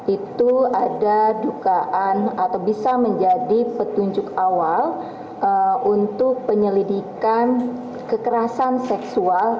itu ada dugaan atau bisa menjadi petunjuk awal untuk penyelidikan kekerasan seksual